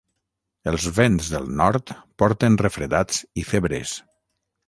Els vents del nord porten refredats i febres.